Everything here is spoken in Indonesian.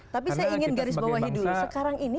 tapi saya ingin garis bawahi dulu sekarang ini